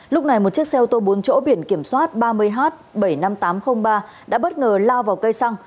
lúc này một chiếc xe ô tô bốn chỗ biển kiểm soát ba mươi h bảy mươi năm nghìn tám trăm linh ba đã bất ngờ lao vào cây xăng